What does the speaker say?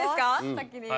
先に。